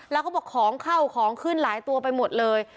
แล้วเขาบอกของเข้าของขึ้นหลายตัวไปหมดเลย